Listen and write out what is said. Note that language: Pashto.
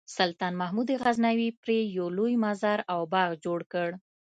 سلطان محمود غزنوي پرې یو لوی مزار او باغ جوړ کړ.